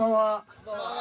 こんばんは。